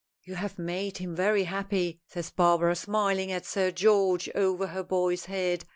"You have made him very happy," says Barbara, smiling at Sir George over her boy's head.